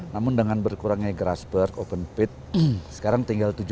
namun dengan berkurangnya grasberg open pit sekarang tinggal tujuh puluh sembilan